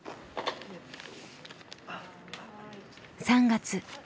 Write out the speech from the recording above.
３月。